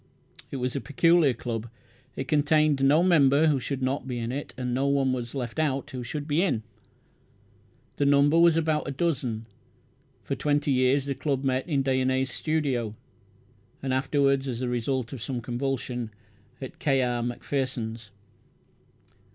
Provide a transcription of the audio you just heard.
It was a peculiar club. It contained no member who should not be in it; and no one was left out who should be in. The number was about a dozen. For twenty years the club met in Dyonnet's studio, and afterwards, as the result of some convulsion, in K. R. Macpherson's.